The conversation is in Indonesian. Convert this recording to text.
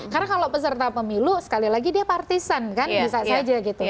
karena kalau peserta pemilu sekali lagi dia partisan bisa saja